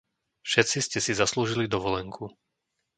Všetci ste si zaslúžili dovolenku.